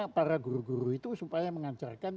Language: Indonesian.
para guru guru itu supaya mengajarkan